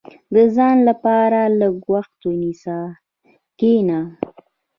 • د ځان لپاره لږ وخت ونیسه، کښېنه.